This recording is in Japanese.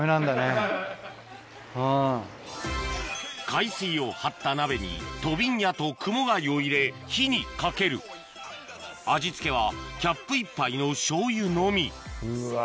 海水を張った鍋にとびんにゃとクモガイを入れ火にかける味付けはキャップ１杯のしょうゆのみうわ